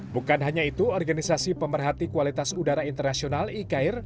bukan hanya itu organisasi pemerhati kualitas udara internasional ikair